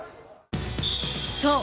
［そう。